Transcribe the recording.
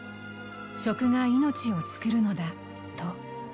食が命を作るのだと。